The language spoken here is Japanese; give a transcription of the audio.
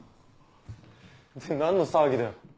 で何の騒ぎだよ？